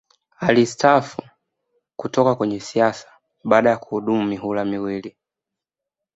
Alistaafu kutoka kwenye siasa baada ya kuhudumu mihula miwili